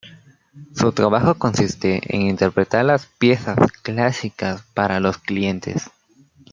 Su trabajo consiste en interpretar las piezas clásicas para los clientes.